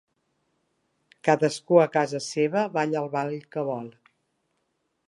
Cadascú a casa seva balla el ball que vol.